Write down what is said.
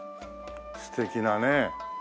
素敵なね。